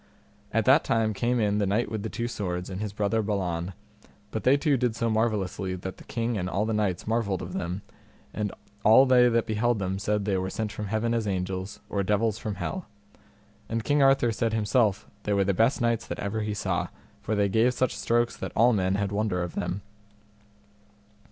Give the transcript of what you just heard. At that time came in the Knight with the Two Swords and his brother Balan, but they two did so marvellously that the king and all the knights marvelled of them, and all they that beheld them said they were sent from heaven as angels, or devils from hell; and King Arthur said himself they were the best knights that ever he saw, for they gave such strokes that all men had wonder of them.